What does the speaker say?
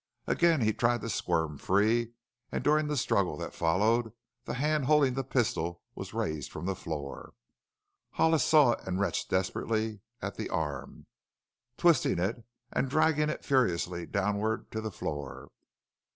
Again he tried to squirm free and during the struggle that followed the hand holding the pistol was raised from the floor. Hollis saw it and wrenched desperately at the arm, twisting it and dragging it furiously downward to the floor.